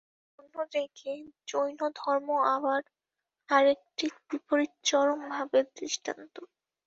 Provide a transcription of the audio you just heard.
অন্যদিকে জৈনধর্ম আবার আর একটি বিপরীত চরম ভাবের দৃষ্টান্ত।